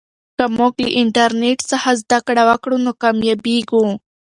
که موږ له انټرنیټ څخه زده کړه وکړو نو کامیابېږو.